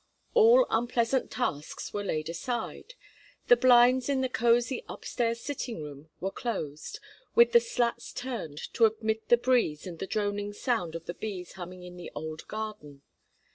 All unpleasant tasks were laid aside; the blinds in the cosey upstairs sitting room were closed, with the slats turned to admit the breeze and the droning sound of the bees humming in the old garden.